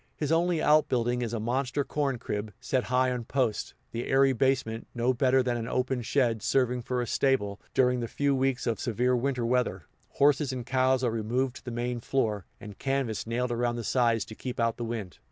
His only outbuilding is a monster corn crib, set high on posts the airy basement, no better than an open shed, serving for a stable; during the few weeks of severe winter weather, horses and cow are removed to the main floor, and canvas nailed around the sides to keep out the wind.